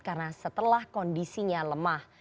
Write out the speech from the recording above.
karena setelah kondisinya lemah